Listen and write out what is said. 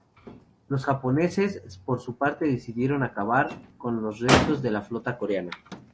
Los japoneses, por su parte, decidieron acabar con los restos de la flota coreana.